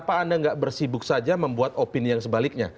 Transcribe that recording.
tidak bersibuk saja membuat opini yang sebaliknya